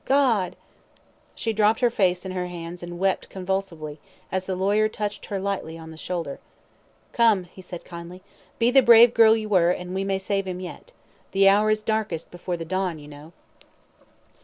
God " She dropped her face in her hands and wept convulsively, as the lawyer touched her lightly on the shoulder. "Come!" he said kindly. "Be the brave girl you were, and we may save him yet. The hour is darkest before the dawn, you know."